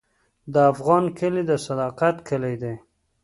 د افغان کلی د صداقت کلی دی.